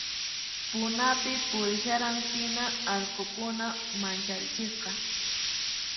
Punapi purisharan hina allqukuna mancharichisqa